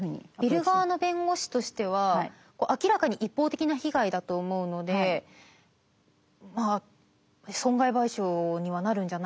ビル側の弁護士としては明らかに一方的な被害だと思うので損害賠償にはなるんじゃないかと。